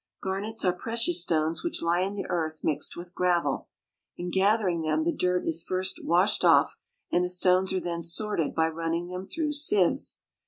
Garnets are precious stones which lie in the earth mixed with gravel. In gathering them the dirt is first washed off, and the stones are then sorted by running them through sieves.